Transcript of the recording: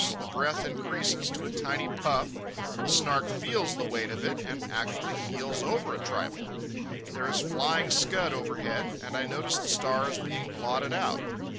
The breath increases to a tiny puff. The Snark feels the weight of it and actually heels over a trifle. There is flying scud overhead, and I notice the stars being blotted out.